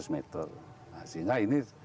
meter sehingga ini